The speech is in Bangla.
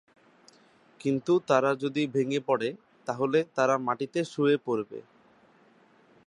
কিন্তু তারা যদি ভেঙ্গে পড়ে তাহলে তারা মাটিতে শুয়ে পড়বে।